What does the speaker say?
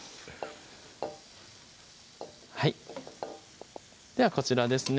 はいではこちらですね